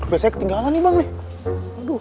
biasanya ketinggalan nih bang nih